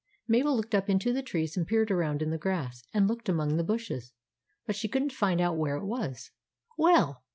Mabel looked up into the trees, and peered around in the grass, and looked among the bushes, but she could n't find out where it was. "Well!"